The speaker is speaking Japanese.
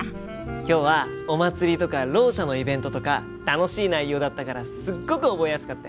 今日はお祭りとかろう者のイベントとか楽しい内容だったからすっごく覚えやすかったよ。